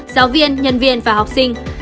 giáo viên nhân viên và học sinh